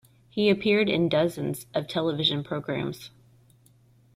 He appeared in dozens of television programs.